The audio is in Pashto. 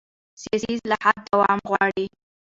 سیاسي اصلاحات دوام غواړي